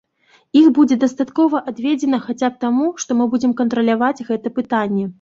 Іх будзе дастаткова адведзена хаця б таму, што мы будзем кантраляваць гэтае пытанне.